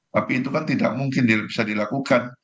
tapi itu kan tidak mungkin bisa dilakukan